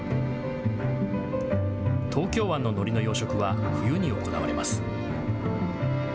東京湾ののりの養殖は冬に行われます。